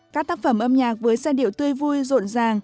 các tác phẩm âm nhạc với giai điệu tươi vui rộn ràng